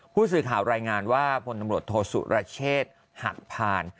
ผู้สื่อข่าวรายงานว่าพลตำรวจโทษสุรเชษฐ์หักพาน